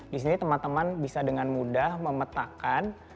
di sini teman teman bisa dengan mudah memetakan